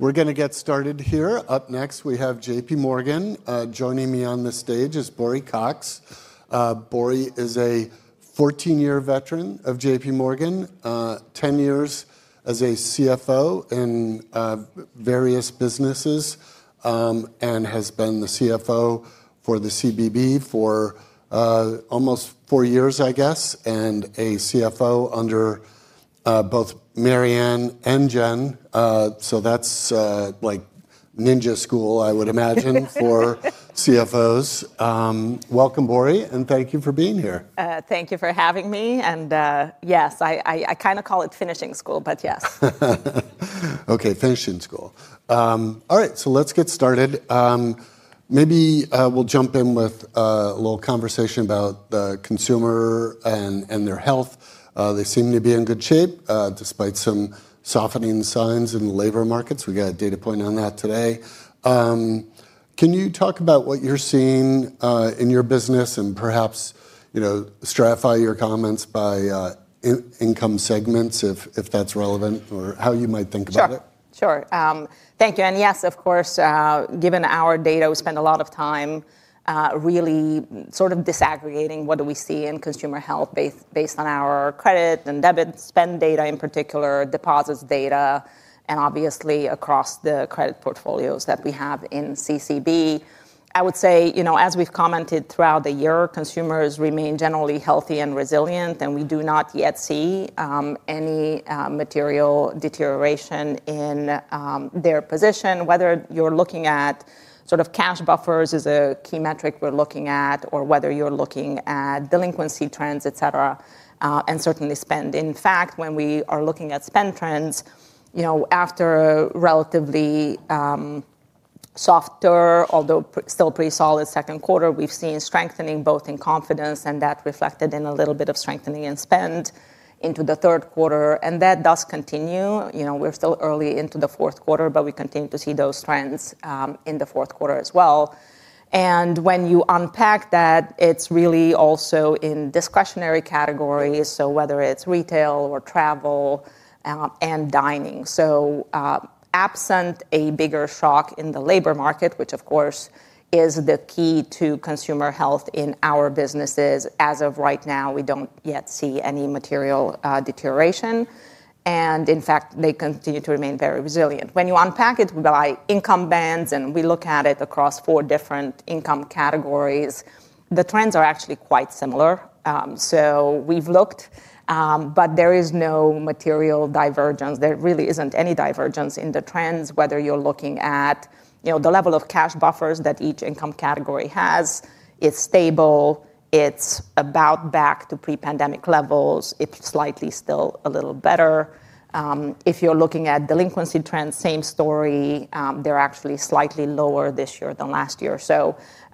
We're going to get started here. Up next, we have JPMorgan. Joining me on the stage is Bory Cox. Bory is a 14-year veteran of JPMorgan, 10 years as a CFO in various businesses, and has been the CFO for the CCB for almost four years, I guess, and a CFO under both Maryanne and Jennifer. That's like ninja school, I would imagine, for CFOs. Welcome, Bory, and thank you for being here. Thank you for having me. Yes, I kind of call it finishing school, but yes. Okay, finishing school. All right, so let's get started. Maybe we'll jump in with a little conversation about the consumer and their health. They seem to be in good shape despite some softening signs in the labor markets. We got a data point on that today. Can you talk about what you're seeing in your business and perhaps stratify your comments by income segments, if that's relevant, or how you might think about it? Sure. Thank you. Yes, of course, given our data, we spend a lot of time really sort of disaggregating what do we see in consumer health based on our credit and debit spend data, in particular deposits data, and obviously across the credit portfolios that we have in CCB. I would say, as we've commented throughout the year, consumers remain generally healthy and resilient, and we do not yet see any material deterioration in their position, whether you're looking at sort of cash buffers as a key metric we're looking at, or whether you're looking at delinquency trends, et cetera, and certainly spend. In fact, when we are looking at spend trends, after a relatively softer, although still pretty solid second quarter, we've seen strengthening both in confidence, and that reflected in a little bit of strengthening in spend into the third quarter. That does continue. We're still early into the fourth quarter, but we continue to see those trends in the fourth quarter as well. When you unpack that, it's really also in discretionary categories, whether it's retail or travel and dining. Absent a bigger shock in the labor market, which of course is the key to consumer health in our businesses, as of right now, we don't yet see any material deterioration. In fact, they continue to remain very resilient. When you unpack it by income bands, and we look at it across four different income categories, the trends are actually quite similar. We've looked, but there is no material divergence. There really isn't any divergence in the trends, whether you're looking at the level of cash buffers that each income category has. It's stable. It's about back to pre-pandemic levels. It's slightly still a little better. If you're looking at delinquency trends, same story. They're actually slightly lower this year than last year.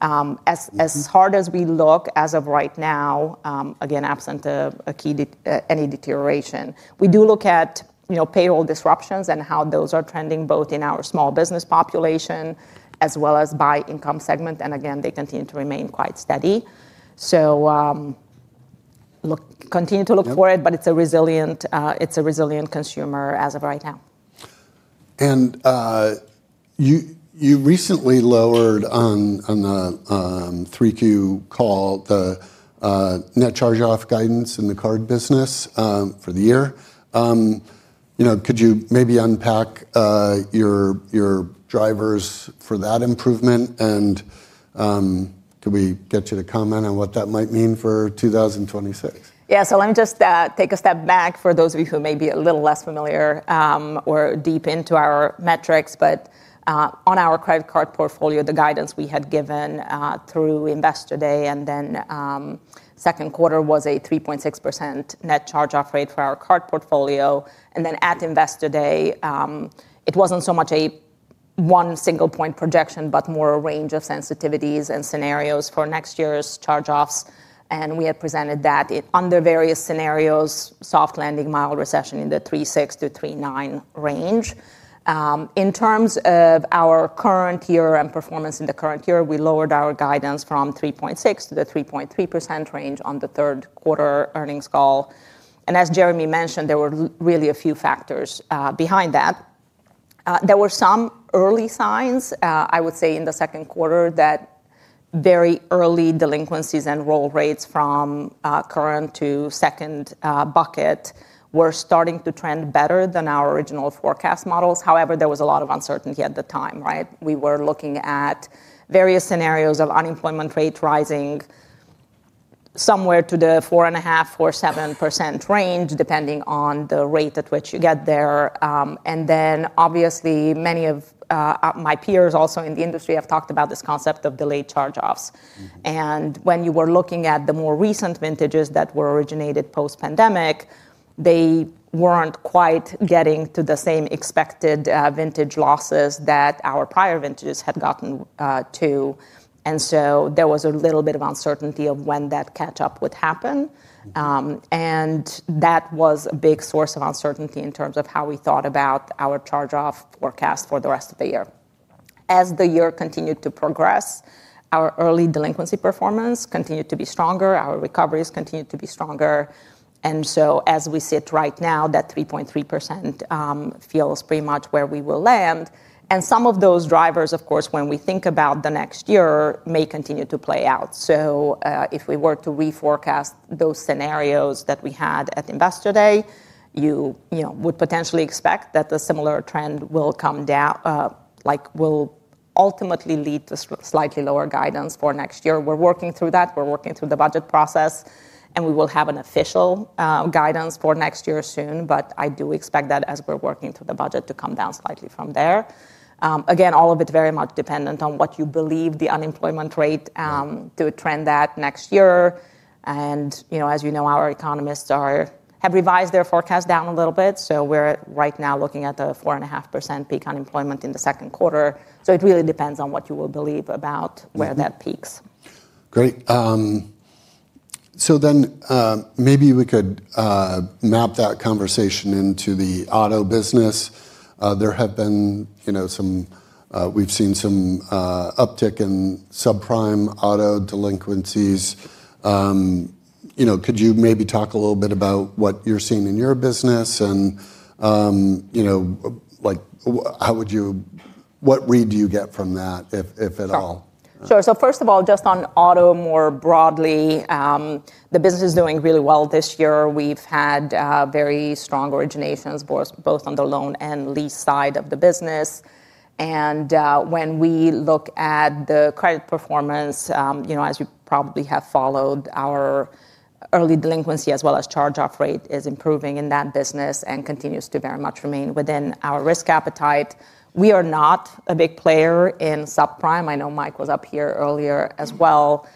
As hard as we look as of right now, again, absent any deterioration, we do look at payroll disruptions and how those are trending both in our small business population as well as by income segment. Again, they continue to remain quite steady. Continue to look for it, but it's a resilient consumer as of right now. You recently lowered on the Q3 call the net charge-off guidance in the card business for the year. Could you maybe unpack your drivers for that improvement? Could we get you to comment on what that might mean for 2026? Yeah, so let me just take a step back for those of you who may be a little less familiar or deep into our metrics. On our credit card portfolio, the guidance we had given through Investor Day and then second quarter was a 3.6% net charge-off rate for our card portfolio. At Investor Day, it was not so much a one single point projection, but more a range of sensitivities and scenarios for next year's charge-offs. We had presented that under various scenarios, soft landing, mild recession, in the 3.6%-3.9% range. In terms of our current year and performance in the current year, we lowered our guidance from 3.6% to the 3.3% range on the third quarter earnings call. As Jeremy mentioned, there were really a few factors behind that. There were some early signs, I would say, in the second quarter that. Very early delinquencies and roll rates from current to second bucket were starting to trend better than our original forecast models. However, there was a lot of uncertainty at the time. We were looking at various scenarios of unemployment rate rising somewhere to the 4.5%-4.7% range, depending on the rate at which you get there. Obviously, many of my peers also in the industry have talked about this concept of delayed charge-offs. When you were looking at the more recent vintages that were originated post-pandemic, they were not quite getting to the same expected vintage losses that our prior vintages had gotten to. There was a little bit of uncertainty of when that catch-up would happen. That was a big source of uncertainty in terms of how we thought about our charge-off forecast for the rest of the year. As the year continued to progress, our early delinquency performance continued to be stronger. Our recoveries continued to be stronger. As we sit right now, that 3.3% feels pretty much where we will land. Some of those drivers, of course, when we think about the next year, may continue to play out. If we were to reforecast those scenarios that we had at Investor Day, you would potentially expect that a similar trend will ultimately lead to slightly lower guidance for next year. We are working through that. We are working through the budget process. We will have an official guidance for next year soon. I do expect that as we are working through the budget to come down slightly from there. Again, all of it very much dependent on what you believe the unemployment rate to trend at next year. As you know, our economists have revised their forecast down a little bit. We are right now looking at a 4.5% peak unemployment in the second quarter. It really depends on what you believe about where that peaks. Great. Maybe we could map that conversation into the auto business. There have been, we've seen some uptick in subprime auto delinquencies. Could you maybe talk a little bit about what you're seeing in your business? What read do you get from that, if at all? Sure. First of all, just on auto more broadly. The business is doing really well this year. We have had very strong originations, both on the loan and lease side of the business. When we look at the credit performance, as you probably have followed, our early delinquency as well as charge-off rate is improving in that business and continues to very much remain within our risk appetite. We are not a big player in subprime. I know Mike was up here earlier as well.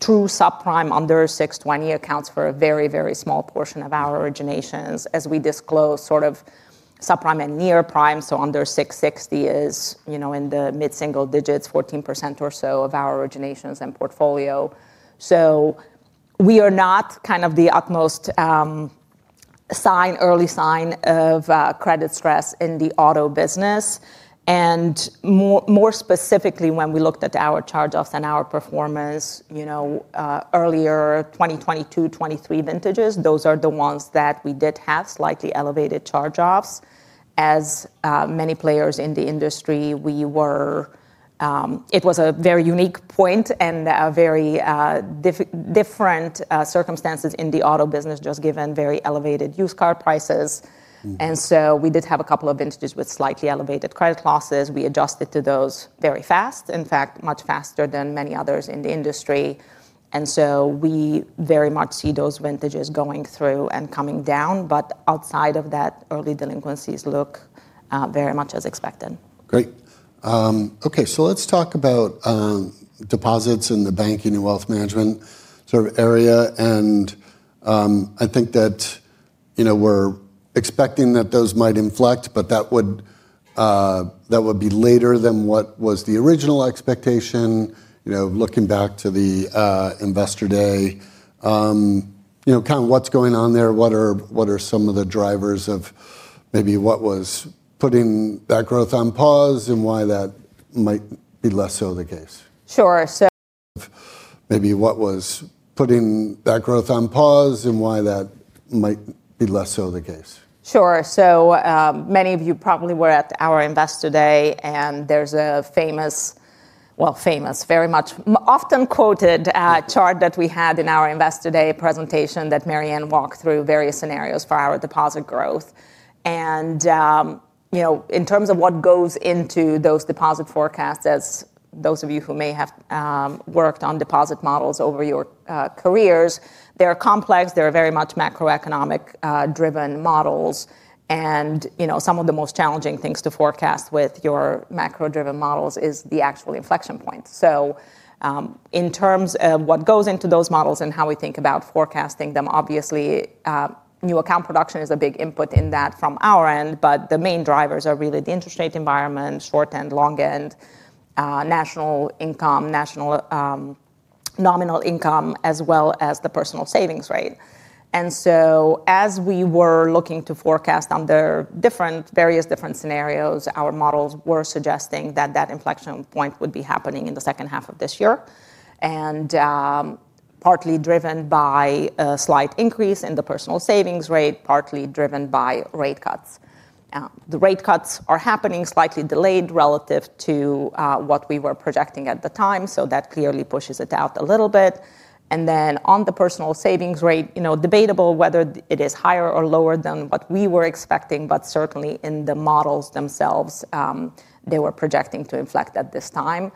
True subprime under 620 accounts for a very, very small portion of our originations. As we disclose sort of subprime and near prime, under 660 is in the mid-single digits, 4%-5% or so of our originations and portfolio. We are not kind of the utmost early sign of credit stress in the auto business. More specifically, when we looked at our charge-offs and our performance. Earlier 2022, 2023 vintages, those are the ones that we did have slightly elevated charge-offs. As many players in the industry, it was a very unique point and a very different circumstance in the auto business, just given very elevated used car prices. We did have a couple of vintages with slightly elevated credit losses. We adjusted to those very fast, in fact, much faster than many others in the industry. We very much see those vintages going through and coming down. Outside of that, early delinquencies look very much as expected. Great. Okay, let's talk about deposits in the banking and wealth management sort of area. I think that we're expecting that those might inflect, but that would be later than what was the original expectation. Looking back to the Investor Day, kind of what's going on there, what are some of the drivers of maybe what was putting that growth on pause and why that might be less so the case? Sure. Of maybe what was putting that growth on pause and why that might be less so the case? Sure. Many of you probably were at our Investor Day. There is a famous, very much often quoted chart that we had in our Investor Day presentation that Maryanne walked through, various scenarios for our deposit growth. In terms of what goes into those deposit forecasts, as those of you who may have worked on deposit models over your careers, they are complex. They are very much macroeconomic-driven models. Some of the most challenging things to forecast with your macro-driven models is the actual inflection point. In terms of what goes into those models and how we think about forecasting them, obviously, new account production is a big input in that from our end. The main drivers are really the interest rate environment, short end, long end, national income, nominal income, as well as the personal savings rate. As we were looking to forecast under various different scenarios, our models were suggesting that that inflection point would be happening in the second half of this year. Partly driven by a slight increase in the personal savings rate, partly driven by rate cuts. The rate cuts are happening slightly delayed relative to what we were projecting at the time. That clearly pushes it out a little bit. On the personal savings rate, debatable whether it is higher or lower than what we were expecting, but certainly in the models themselves, they were projecting to inflect at this time.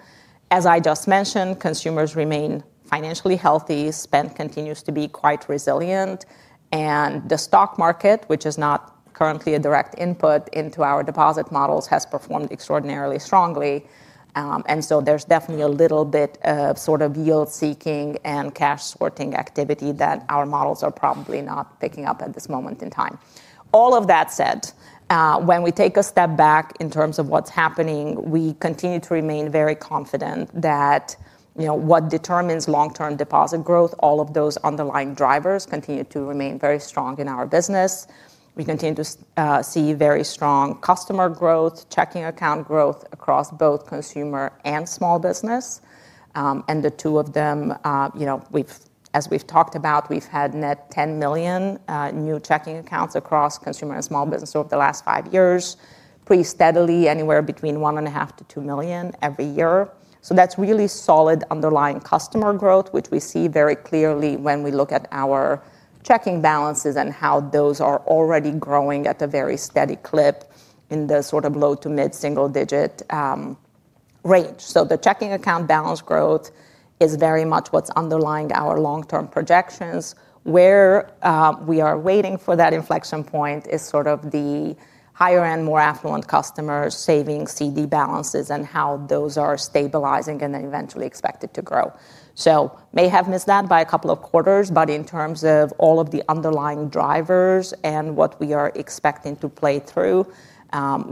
As I just mentioned, consumers remain financially healthy. Spend continues to be quite resilient. The stock market, which is not currently a direct input into our deposit models, has performed extraordinarily strongly. There is definitely a little bit of sort of yield-seeking and cash sorting activity that our models are probably not picking up at this moment in time. All of that said, when we take a step back in terms of what is happening, we continue to remain very confident that what determines long-term deposit growth, all of those underlying drivers continue to remain very strong in our business. We continue to see very strong customer growth, checking account growth across both consumer and small business. The two of them, as we have talked about, we have had net 10 million new checking accounts across consumer and small business over the last five years, pretty steadily anywhere between 1.5 million-2 million every year. That's really solid underlying customer growth, which we see very clearly when we look at our checking balances and how those are already growing at a very steady clip in the sort of low to mid-single digit range. The checking account balance growth is very much what's underlying our long-term projections. Where we are waiting for that inflection point is sort of the higher-end, more affluent customers saving CD balances and how those are stabilizing and eventually expected to grow. May have missed that by a couple of quarters. In terms of all of the underlying drivers and what we are expecting to play through,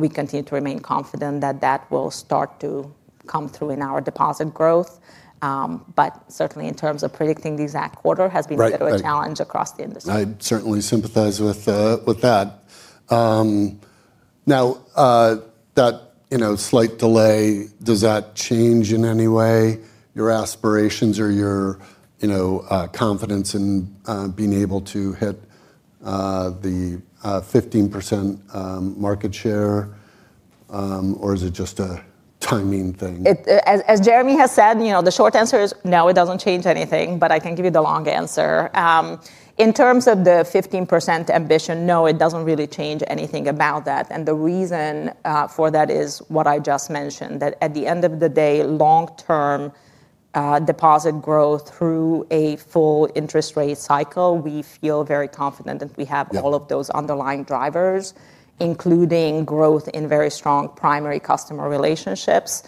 we continue to remain confident that that will start to come through in our deposit growth. Certainly in terms of predicting the exact quarter has been a bit of a challenge across the industry. I certainly sympathize with that. Now, that slight delay, does that change in any way your aspirations or your confidence in being able to hit the 15% market share? Or is it just a timing thing? As Jeremy has said, the short answer is no, it does not change anything. I can give you the long answer. In terms of the 15% ambition, no, it does not really change anything about that. The reason for that is what I just mentioned, that at the end of the day, long-term, deposit growth through a full interest rate cycle, we feel very confident that we have all of those underlying drivers, including growth in very strong primary customer relationships.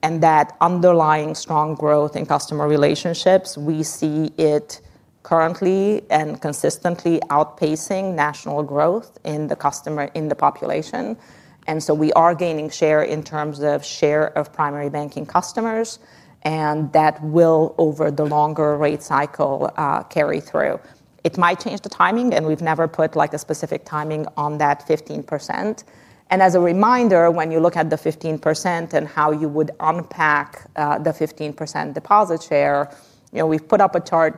That underlying strong growth in customer relationships, we see it currently and consistently outpacing national growth in the customer in the population. We are gaining share in terms of share of primary banking customers. That will, over the longer rate cycle, carry through. It might change the timing. We have never put a specific timing on that 15%. As a reminder, when you look at the 15% and how you would unpack the 15% deposit share, we have put up a chart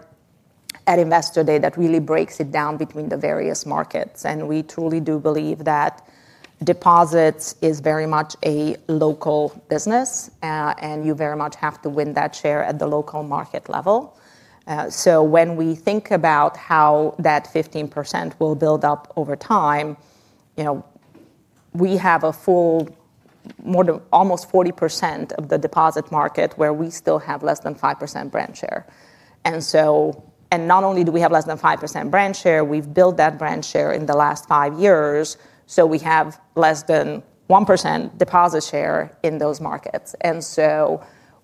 at Investor Day that really breaks it down between the various markets. We truly do believe that deposits is very much a local business. You very much have to win that share at the local market level. When we think about how that 15% will build up over time, we have a full almost 40% of the deposit market where we still have less than 5% branch share. Not only do we have less than 5% branch share, we have built that branch share in the last five years. We have less than 1% deposit share in those markets.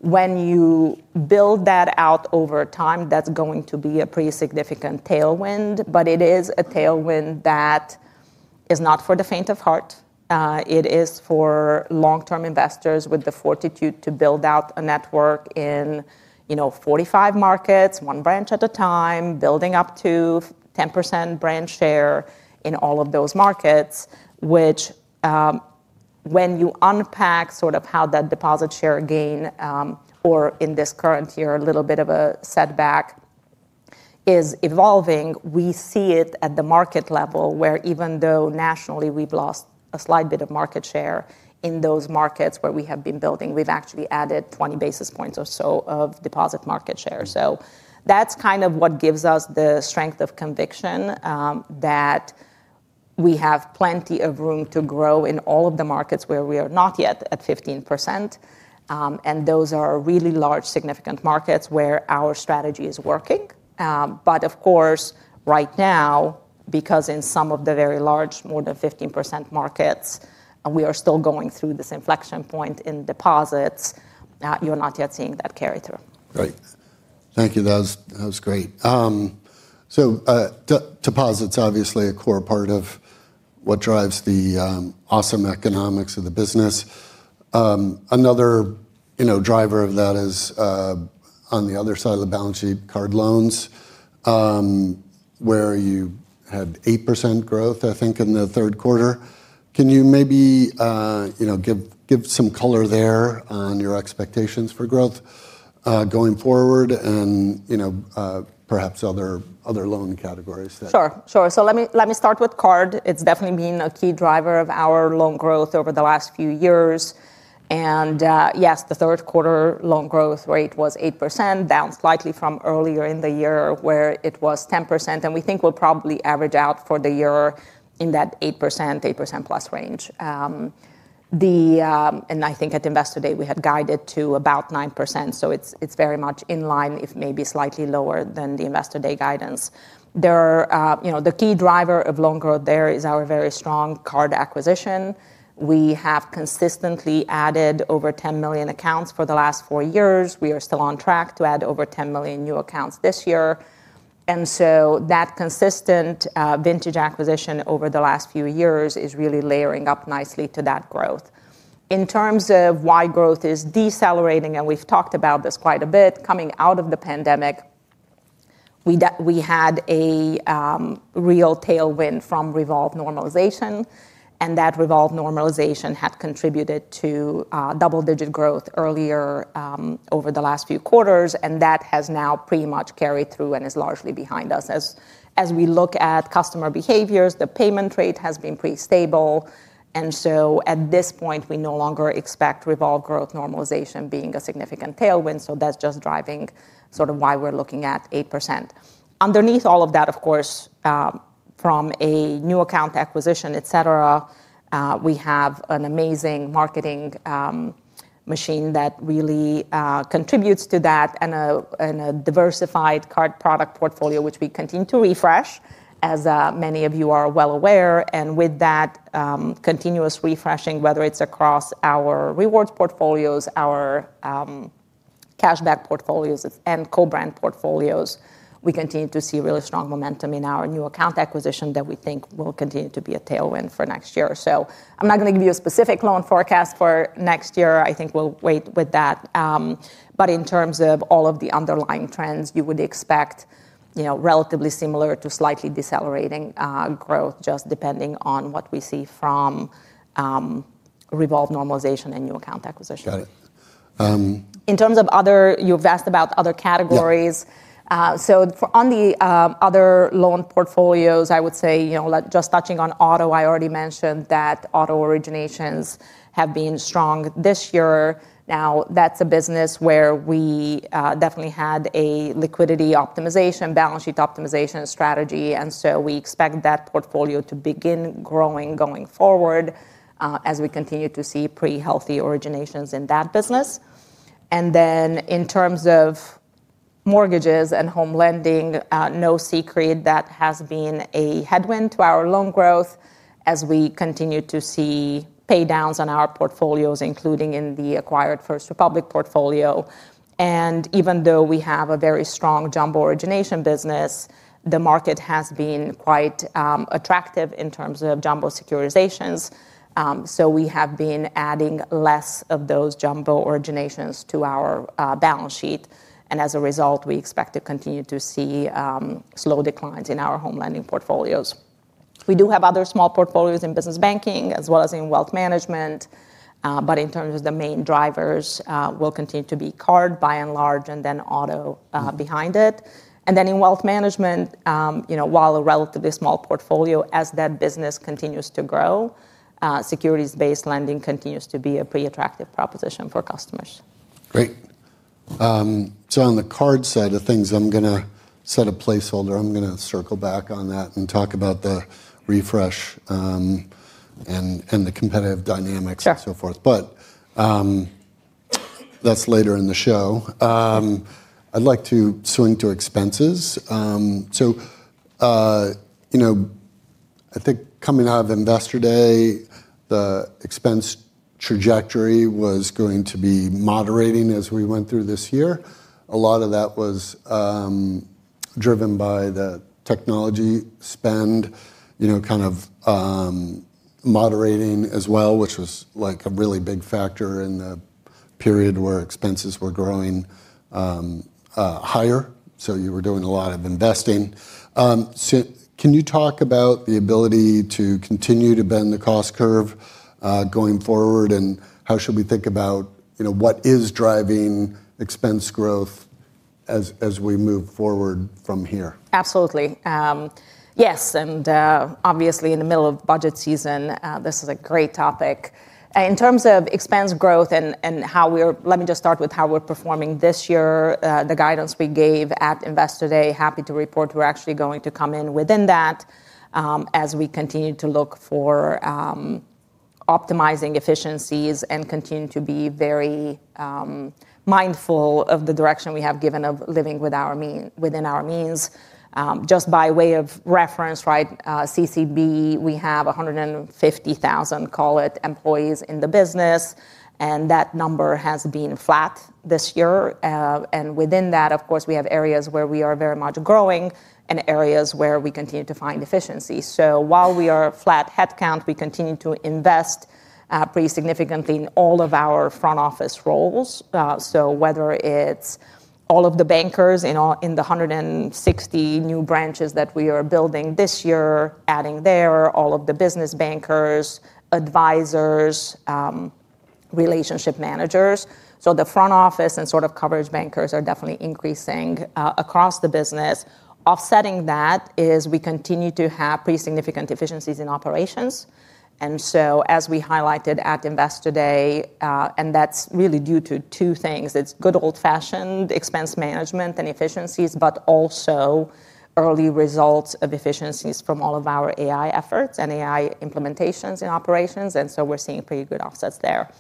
When you build that out over time, that is going to be a pretty significant tailwind. It is a tailwind that. Is not for the faint of heart. It is for long-term investors with the fortitude to build out a network in 45 markets, one branch at a time, building up to 10% branch share in all of those markets, which, when you unpack sort of how that deposit share gain, or in this current year, a little bit of a setback, is evolving, we see it at the market level where even though nationally we've lost a slight bit of market share, in those markets where we have been building, we've actually added 20 basis points or so of deposit market share. That's kind of what gives us the strength of conviction that we have plenty of room to grow in all of the markets where we are not yet at 15%. Those are really large, significant markets where our strategy is working. Of course, right now, because in some of the very large, more than 15% markets, we are still going through this inflection point in deposits, you're not yet seeing that carry through. Great. Thank you. That was great. Deposits are obviously a core part of what drives the awesome economics of the business. Another driver of that is on the other side of the balance sheet, card loans, where you had 8% growth, I think, in the third quarter. Can you maybe give some color there on your expectations for growth going forward and perhaps other loan categories? Sure. Sure. Let me start with card. It's definitely been a key driver of our loan growth over the last few years. Yes, the third quarter loan growth rate was 8%, down slightly from earlier in the year where it was 10%. We think we'll probably average out for the year in that 8%, 8%+ range. I think at Investor Day we had guided to about 9%. It's very much in line, if maybe slightly lower than the Investor Day guidance. The key driver of loan growth there is our very strong card acquisition. We have consistently added over 10 million accounts for the last four years. We are still on track to add over 10 million new accounts this year. That consistent vintage acquisition over the last few years is really layering up nicely to that growth. In terms of why growth is decelerating, and we've talked about this quite a bit, coming out of the pandemic. We had a real tailwind from revolved normalization. That revolved normalization had contributed to double-digit growth earlier over the last few quarters. That has now pretty much carried through and is largely behind us. As we look at customer behaviors, the payment rate has been pretty stable. At this point, we no longer expect revolved growth normalization being a significant tailwind. That is just driving sort of why we're looking at 8%. Underneath all of that, of course, from a new account acquisition, et cetera, we have an amazing marketing machine that really contributes to that and a diversified card product portfolio, which we continue to refresh, as many of you are well aware. With that continuous refreshing, whether it's across our rewards portfolios, our. Cashback portfolios, and co-brand portfolios, we continue to see really strong momentum in our new account acquisition that we think will continue to be a tailwind for next year. I am not going to give you a specific loan forecast for next year. I think we will wait with that. In terms of all of the underlying trends, you would expect relatively similar to slightly decelerating growth, just depending on what we see from revolved normalization and new account acquisition. Got it. In terms of other, you've asked about other categories. On the other loan portfolios, I would say, just touching on auto, I already mentioned that auto originations have been strong this year. That's a business where we definitely had a liquidity optimization, balance sheet optimization strategy. We expect that portfolio to begin growing going forward as we continue to see pretty healthy originations in that business. In terms of mortgages and home lending, no secret that has been a headwind to our loan growth as we continue to see paydowns on our portfolios, including in the acquired First Republic portfolio. Even though we have a very strong jumbo origination business, the market has been quite attractive in terms of jumbo securitizations. We have been adding less of those jumbo originations to our balance sheet. As a result, we expect to continue to see slow declines in our home lending portfolios. We do have other small portfolios in business banking as well as in wealth management. In terms of the main drivers, will continue to be card by and large, and then auto behind it. In wealth management, while a relatively small portfolio, as that business continues to grow, securities-based lending continues to be a pretty attractive proposition for customers. Great. On the card side of things, I'm going to set a placeholder. I'm going to circle back on that and talk about the refresh, and the competitive dynamics and so forth. That is later in the show. I'd like to swing to expenses. I think coming out of Investor Day, the expense trajectory was going to be moderating as we went through this year. A lot of that was driven by the technology spend, kind of moderating as well, which was a really big factor in the period where expenses were growing higher. You were doing a lot of investing. Can you talk about the ability to continue to bend the cost curve going forward? How should we think about what is driving expense growth as we move forward from here? Absolutely. Yes. Obviously, in the middle of budget season, this is a great topic. In terms of expense growth and how we are, let me just start with how we're performing this year. The guidance we gave at Investor Day, happy to report we're actually going to come in within that. As we continue to look for optimizing efficiencies and continue to be very mindful of the direction we have given of living within our means. Just by way of reference, CCB, we have 150,000, call it, employees in the business. That number has been flat this year. Within that, of course, we have areas where we are very much growing and areas where we continue to find efficiency. While we are flat headcount, we continue to invest pretty significantly in all of our front office roles. Whether it's all of the bankers in the 160 new branches that we are building this year, adding there all of the business bankers, advisors, relationship managers. The front office and sort of coverage bankers are definitely increasing across the business. Offsetting that is we continue to have pretty significant efficiencies in operations. As we highlighted at Investor Day, and that's really due to two things. It's good old-fashioned expense management and efficiencies, but also early results of efficiencies from all of our AI efforts and AI implementations in operations. We are seeing pretty good offsets there.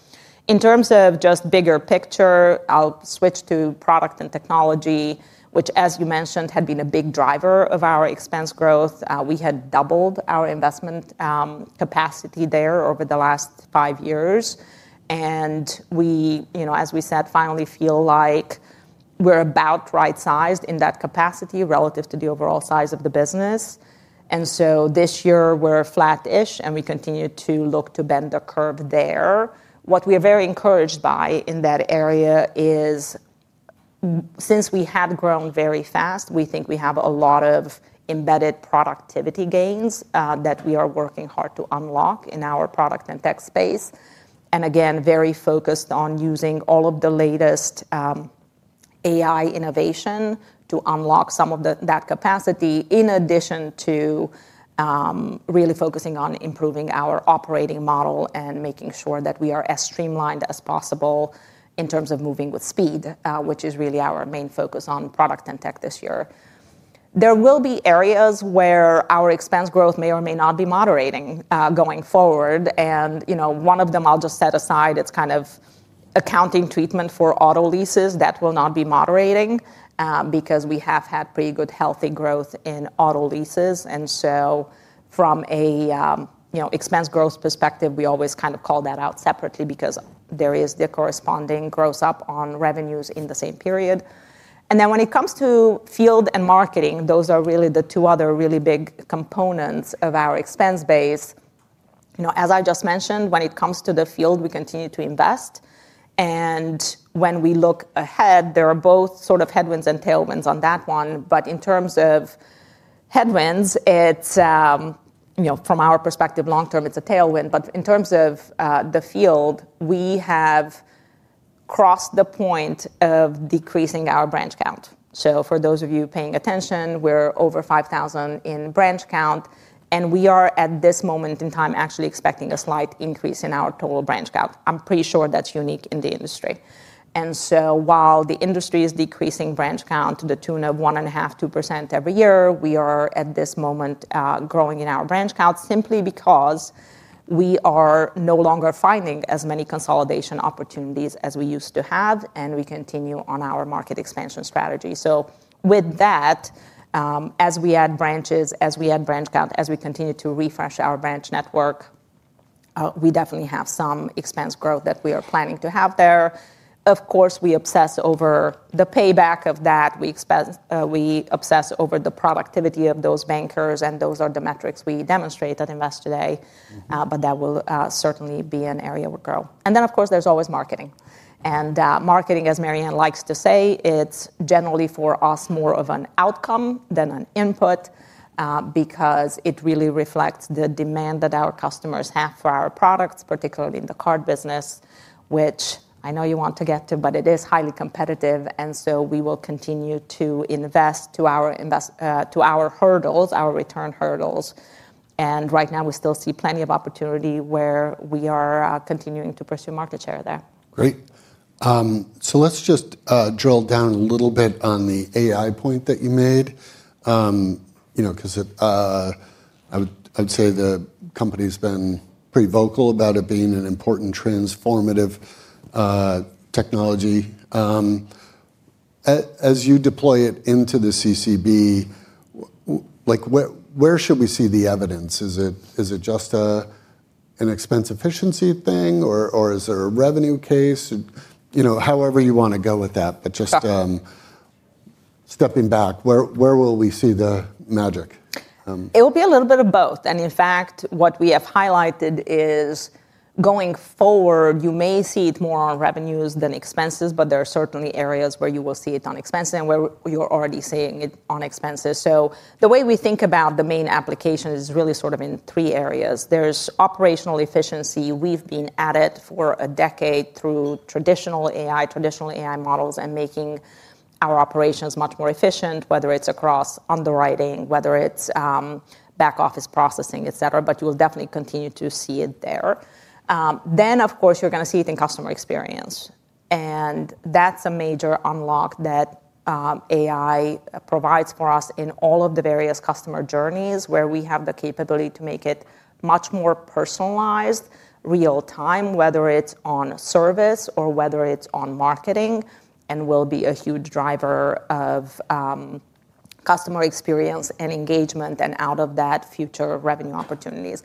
In terms of just bigger picture, I'll switch to product and technology, which, as you mentioned, had been a big driver of our expense growth. We had doubled our investment capacity there over the last five years. We, as we said, finally feel like we're about right-sized in that capacity relative to the overall size of the business. This year, we're flat-ish. We continue to look to bend the curve there. What we are very encouraged by in that area is, since we have grown very fast, we think we have a lot of embedded productivity gains that we are working hard to unlock in our product and tech space. Again, very focused on using all of the latest AI innovation to unlock some of that capacity in addition to really focusing on improving our operating model and making sure that we are as streamlined as possible in terms of moving with speed, which is really our main focus on product and tech this year. There will be areas where our expense growth may or may not be moderating going forward. One of them I'll just set aside, it's kind of accounting treatment for auto leases that will not be moderating because we have had pretty good healthy growth in auto leases. From an expense growth perspective, we always kind of call that out separately because there is the corresponding gross up on revenues in the same period. When it comes to field and marketing, those are really the two other really big components of our expense base. As I just mentioned, when it comes to the field, we continue to invest. When we look ahead, there are both sort of headwinds and tailwinds on that one. In terms of headwinds, from our perspective, long-term, it's a tailwind. In terms of the field, we have crossed the point of decreasing our branch count. For those of you paying attention, we're over 5,000 in branch count. We are, at this moment in time, actually expecting a slight increase in our total branch count. I'm pretty sure that's unique in the industry. While the industry is decreasing branch count to the tune of 1.5%-2% every year, we are, at this moment, growing in our branch count simply because we are no longer finding as many consolidation opportunities as we used to have. We continue on our market expansion strategy. With that, as we add branches, as we add branch count, as we continue to refresh our branch network, we definitely have some expense growth that we are planning to have there. Of course, we obsess over the payback of that. We obsess over the productivity of those bankers. Those are the metrics we demonstrate at Investor Day. That will certainly be an area of growth. Of course, there is always marketing. Marketing, as Marianne likes to say, is generally for us more of an outcome than an input, because it really reflects the demand that our customers have for our products, particularly in the card business, which I know you want to get to, but it is highly competitive. We will continue to invest to our return hurdles, and right now, we still see plenty of opportunity where we are continuing to pursue market share there. Great. Let's just drill down a little bit on the AI point that you made. Because I would say the company has been pretty vocal about it being an important transformative technology. As you deploy it into the CCB, where should we see the evidence? Is it just an expense efficiency thing, or is there a revenue case? However you want to go with that. Just stepping back, where will we see the magic? It will be a little bit of both. In fact, what we have highlighted is going forward, you may see it more on revenues than expenses. There are certainly areas where you will see it on expenses and where you're already seeing it on expenses. The way we think about the main application is really sort of in three areas. There's operational efficiency. We've been at it for a decade through traditional AI, traditional AI models, and making our operations much more efficient, whether it's across underwriting, whether it's back office processing, et cetera. You will definitely continue to see it there. Of course, you're going to see it in customer experience. That's a major unlock that. AI provides for us in all of the various customer journeys where we have the capability to make it much more personalized, real-time, whether it's on service or whether it's on marketing, and will be a huge driver of customer experience and engagement and out of that, future revenue opportunities.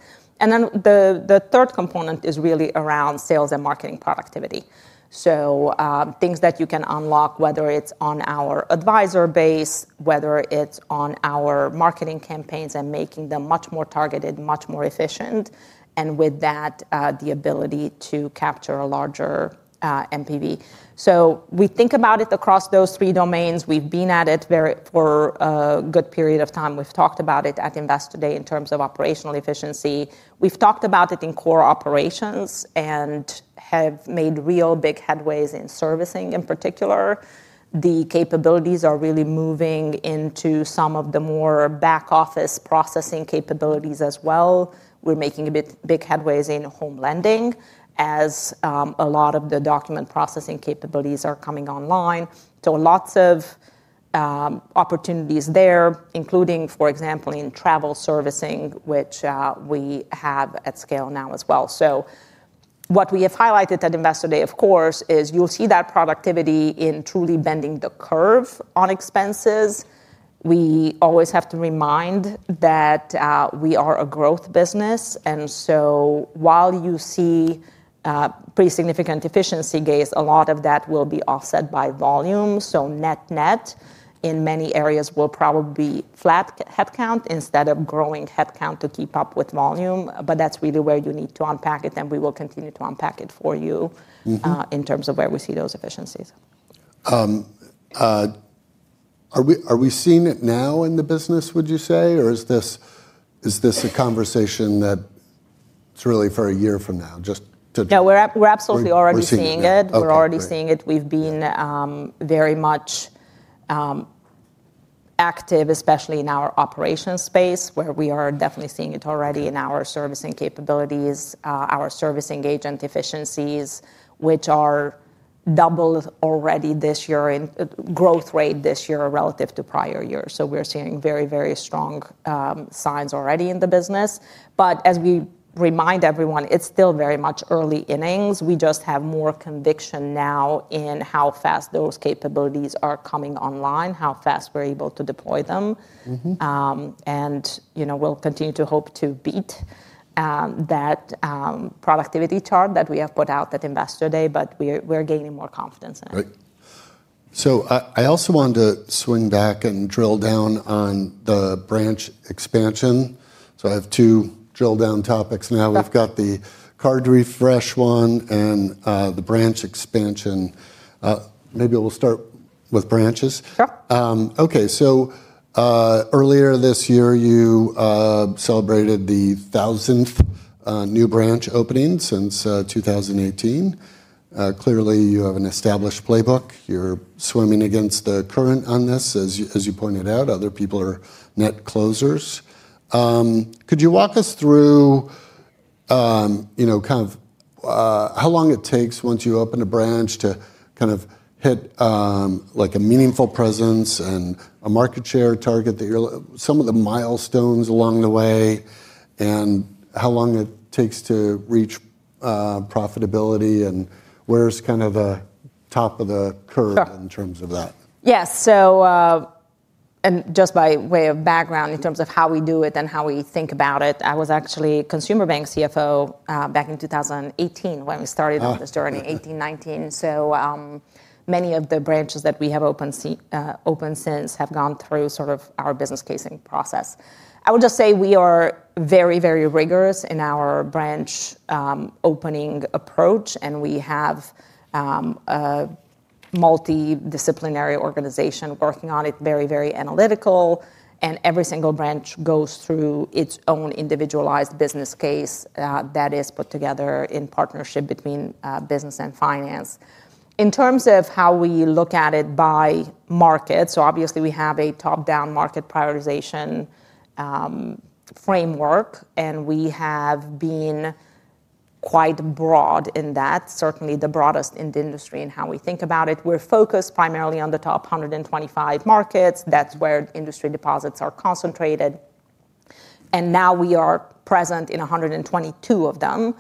The third component is really around sales and marketing productivity. Things that you can unlock, whether it's on our advisor base, whether it's on our marketing campaigns and making them much more targeted, much more efficient. With that, the ability to capture a larger MPV. We think about it across those three domains. We've been at it for a good period of time. We've talked about it at Investor Day in terms of operational efficiency. We've talked about it in core operations and have made real big headways in servicing in particular. The capabilities are really moving into some of the more back office processing capabilities as well. We're making big headway in home lending as a lot of the document processing capabilities are coming online. Lots of opportunities there, including, for example, in travel servicing, which we have at scale now as well. What we have highlighted at Investor Day, of course, is you'll see that productivity in truly bending the curve on expenses. We always have to remind that we are a growth business. While you see pretty significant efficiency gains, a lot of that will be offset by volume. Net-net, in many areas, we'll probably be flat headcount instead of growing headcount to keep up with volume. That's really where you need to unpack it. We will continue to unpack it for you in terms of where we see those efficiencies. Are we seeing it now in the business, would you say? Or is this a conversation that it's really for a year from now? Yeah, we're absolutely already seeing it. We're already seeing it. We've been very much active, especially in our operations space, where we are definitely seeing it already in our servicing capabilities, our servicing agent efficiencies, which are doubled already this year in growth rate this year relative to prior years. We're seeing very, very strong signs already in the business. As we remind everyone, it's still very much early innings. We just have more conviction now in how fast those capabilities are coming online, how fast we're able to deploy them. We'll continue to hope to beat that productivity chart that we have put out at Investor Day. We're gaining more confidence in it. I also want to swing back and drill down on the branch expansion. I have two drill-down topics now. We have got the card refresh one and the branch expansion. Maybe we will start with branches. Earlier this year, you celebrated the 1,000th new branch opening since 2018. Clearly, you have an established playbook. You are swimming against the current on this, as you pointed out. Other people are net closers. Could you walk us through how long it takes once you open a branch to hit a meaningful presence and a market share target, some of the milestones along the way, and how long it takes to reach profitability? Where is the top of the curve in terms of that? Yes. So. And just by way of background in terms of how we do it and how we think about it, I was actually a Consumer Bank CFO back in 2018 when we started on this journey, 2018, 2019. So. Many of the branches that we have opened since have gone through sort of our business casing process. I would just say we are very, very rigorous in our branch opening approach. And we have a multidisciplinary organization working on it, very, very analytical. And every single branch goes through its own individualized business case that is put together in partnership between business and finance. In terms of how we look at it by market, so obviously, we have a top-down market prioritization framework. And we have been quite broad in that, certainly the broadest in the industry in how we think about it. We're focused primarily on the top 125 markets. That's where industry deposits are concentrated. Now we are present in 122 of them,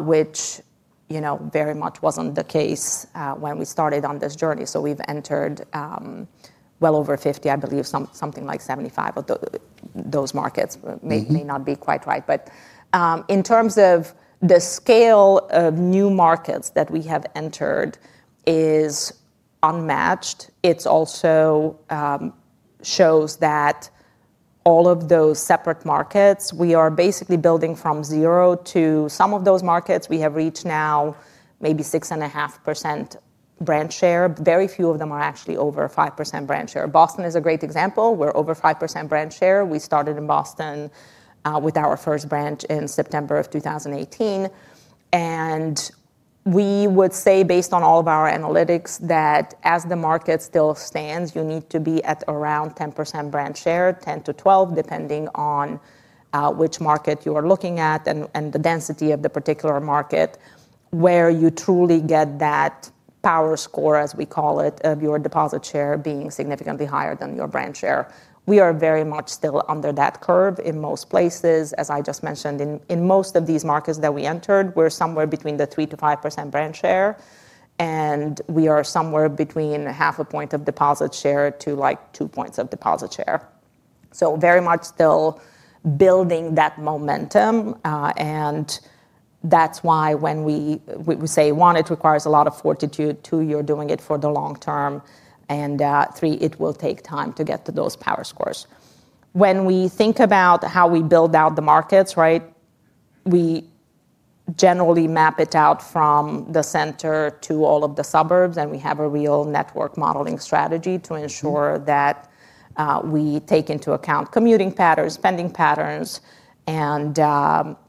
which very much wasn't the case when we started on this journey. We've entered well over 50, I believe, something like 75 of those markets. That may not be quite right, but in terms of the scale of new markets that we have entered, it is unmatched. It also shows that all of those separate markets, we are basically building from zero. In some of those markets, we have reached now maybe 6.5% branch share. Very few of them are actually over 5% branch share. Boston is a great example. We're over 5% branch share. We started in Boston with our first branch in September of 2018. We would say, based on all of our analytics, that as the market still stands, you need to be at around 10% branch share, 10%-12%, depending on which market you are looking at and the density of the particular market. Where you truly get that power score, as we call it, of your deposit share being significantly higher than your branch share. We are very much still under that curve in most places. As I just mentioned, in most of these markets that we entered, we're somewhere between the 3%-5% branch share. And we are somewhere between half a point of deposit share to like two points of deposit share. So very much still building that momentum. That's why when we say one, it requires a lot of fortitude. Two, you're doing it for the long term. It will take time to get to those power scores. When we think about how we build out the markets, right, we generally map it out from the center to all of the suburbs. We have a real network modeling strategy to ensure that we take into account commuting patterns, spending patterns, and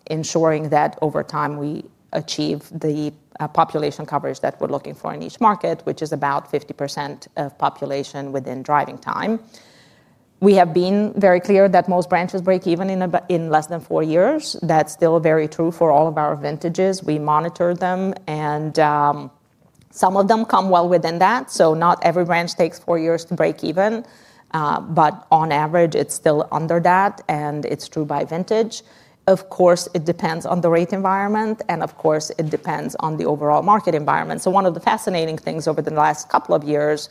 ensuring that over time we achieve the population coverage that we're looking for in each market, which is about 50% of population within driving time. We have been very clear that most branches break even in less than four years. That's still very true for all of our vintages. We monitor them, and some of them come well within that. Not every branch takes four years to break even, but on average, it's still under that, and it's true by vintage. Of course, it depends on the rate environment. Of course, it depends on the overall market environment. One of the fascinating things over the last couple of years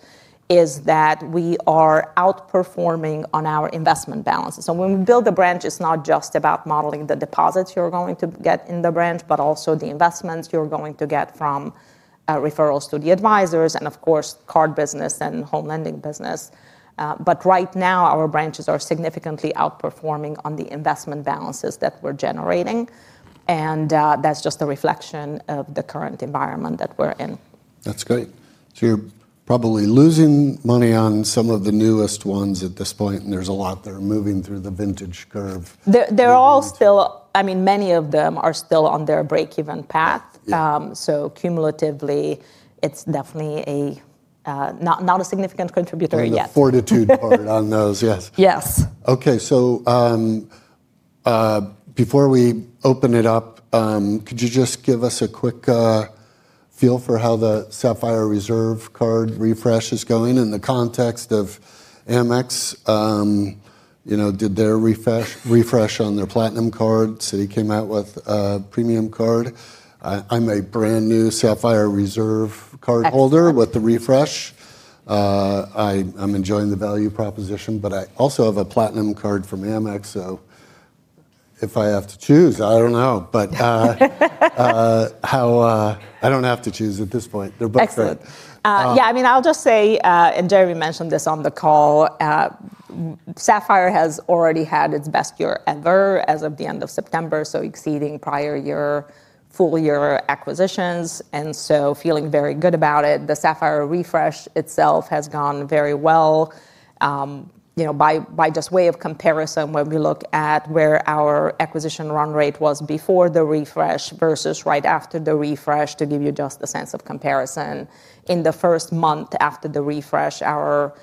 is that we are outperforming on our investment balances. When we build a branch, it's not just about modeling the deposits you're going to get in the branch, but also the investments you're going to get from referrals to the advisors and, of course, card business and home lending business. Right now, our branches are significantly outperforming on the investment balances that we're generating. That's just a reflection of the current environment that we're in. That's great. You're probably losing money on some of the newest ones at this point. There's a lot that are moving through the vintage curve. They're all still, I mean, many of them are still on their break-even path. So cumulatively, it's definitely not a significant contributor yet. Fortitude part on those, yes. Yes. Okay, so before we open it up, could you just give us a quick feel for how the Sapphire Reserve card refresh is going in the context of Amex? Did their refresh on their Platinum card? City came out with a Premium card. I'm a brand new Sapphire Reserve card holder with the refresh. I'm enjoying the value proposition. I also have a Platinum card from Amex. If I have to choose, I don't know. I don't have to choose at this point. They're both good. Excellent. Yeah, I mean, I'll just say, and Jeremy mentioned this on the call. Sapphire has already had its best year ever as of the end of September, so exceeding prior year full year acquisitions. I am feeling very good about it. The Sapphire refresh itself has gone very well. By just way of comparison, when we look at where our acquisition run rate was before the refresh versus right after the refresh, to give you just a sense of comparison. In the first month after the refresh, our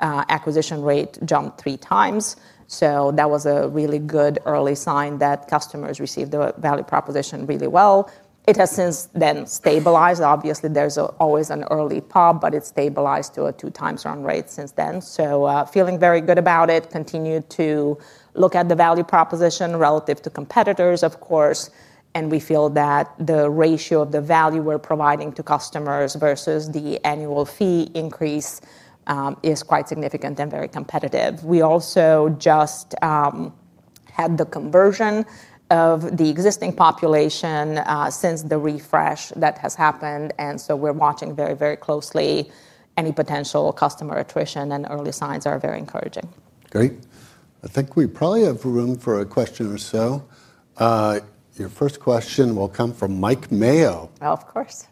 acquisition rate jumped three times. That was a really good early sign that customers received the value proposition really well. It has since then stabilized. Obviously, there is always an early pop, but it has stabilized to a two-times run rate since then. I am feeling very good about it, continue to look at the value proposition relative to competitors, of course. We feel that the ratio of the value we're providing to customers versus the annual fee increase is quite significant and very competitive. We also just had the conversion of the existing population since the refresh that has happened. We are watching very, very closely any potential customer attrition and early signs are very encouraging. Great. I think we probably have room for a question or so. Your first question will come from Mike Mayo. Oh, of course.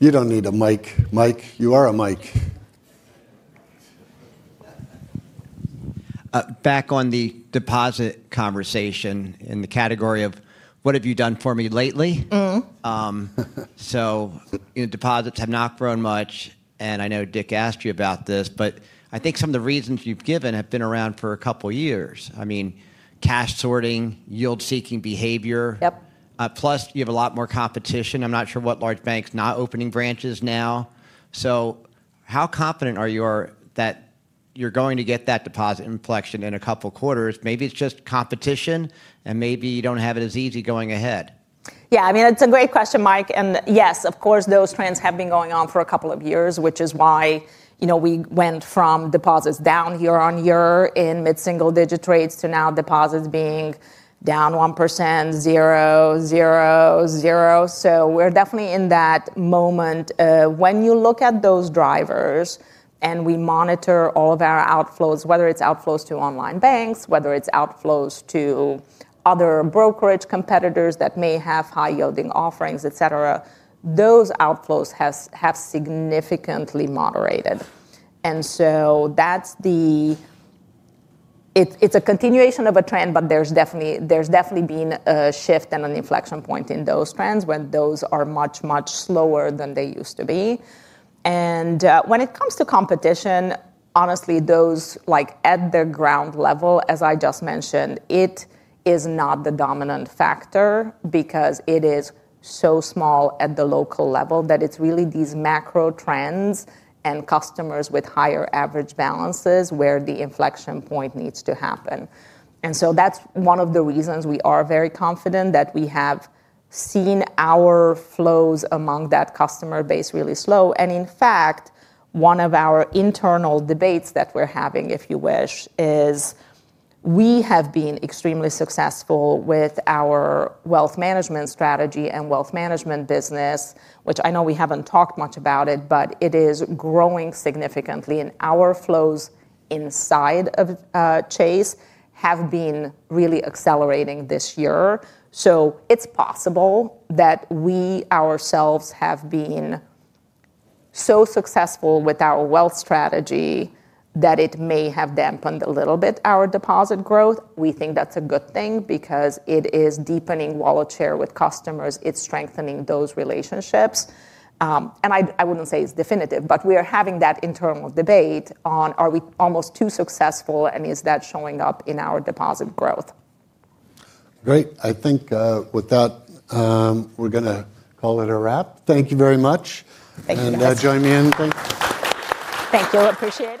You don't need a mic. Mike, you are a Mike. Back on the deposit conversation in the category of what have you done for me lately? Mm-hmm. Deposits have not grown much. I know Dick asked you about this. I think some of the reasons you've given have been around for a couple of years. I mean, cash sorting, yield-seeking behavior. Yep. Plus, you have a lot more competition. I'm not sure what large banks are not opening branches now. How confident are you that you're going to get that deposit inflection in a couple of quarters? Maybe it's just competition. Maybe you don't have it as easy going ahead. Yeah, I mean, it's a great question, Mike. Yes, of course, those trends have been going on for a couple of years, which is why we went from deposits down year on year in mid-single digit rates to now deposits being down 1%, 0%, 0%, 0%. We're definitely in that moment. When you look at those drivers and we monitor all of our outflows, whether it's outflows to online banks, whether it's outflows to other brokerage competitors that may have high-yielding offerings, et cetera, those outflows have significantly moderated. It's a continuation of a trend. There's definitely been a shift and an inflection point in those trends when those are much, much slower than they used to be. When it comes to competition, honestly, those at the ground level, as I just mentioned, it is not the dominant factor because it is so small at the local level that it's really these macro trends and customers with higher average balances where the inflection point needs to happen. That is one of the reasons we are very confident that we have seen our flows among that customer base really slow. In fact, one of our internal debates that we're having, if you wish, is we have been extremely successful with our wealth management strategy and wealth management business, which I know we haven't talked much about. It is growing significantly. Our flows inside of Chase have been really accelerating this year. It is possible that we ourselves have been. so successful with our wealth strategy that it may have dampened a little bit our deposit growth. We think that's a good thing because it is deepening wallet share with customers. It's strengthening those relationships. I wouldn't say it's definitive. We are having that internal debate on, are we almost too successful. Is that showing up in our deposit growth. Great. I think with that, we're going to call it a wrap. Thank you very much joining me in. Thank you very much. Thank you. Appreciate it.